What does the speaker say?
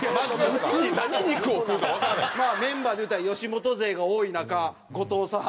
メンバーで言うたら吉本勢が多い中後藤さん。